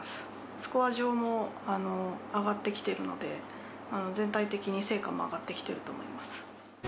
スコア上も上がってきているので、全体的に成果も上がってきてると思います。